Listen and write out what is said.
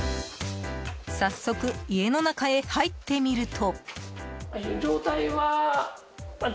早速、家の中へ入ってみると。